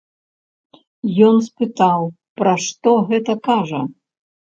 Ён спытаў, пра што гэта кажа?